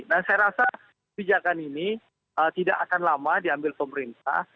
nah saya rasa kebijakan ini tidak akan lama diambil pemerintah